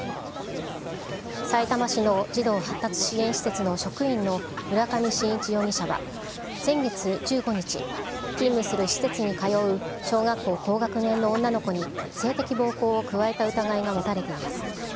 さいたま市の児童発達支援施設の職員の村上信一容疑者は、先月１５日、勤務する施設に通う小学校高学年の女の子に性的暴行を加えた疑いが持たれています。